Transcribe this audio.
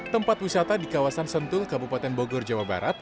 tempat wisata di kawasan sentul kabupaten bogor jawa barat